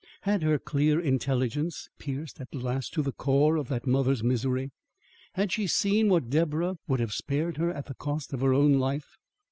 Had her clear intelligence pierced at last to the core of that mother's misery? Had she seen what Deborah would have spared her at the cost of her own life?